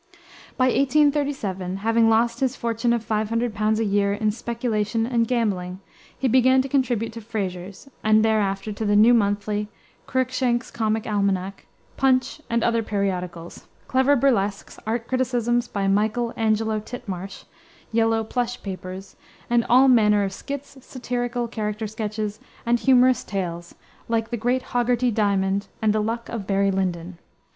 By 1837, having lost his fortune of 500 pounds a year in speculation and gambling, he began to contribute to Fraser's, and thereafter to the New Monthly, Cruikshank's Comic Almanac, Punch, and other periodicals, clever burlesques, art criticisms by "Michael Angelo Titmarsh," Yellow Plush Papers, and all manner of skits, satirical character sketches, and humorous tales, like the Great Hoggarty Diamond and the Luck of Barry Lyndon.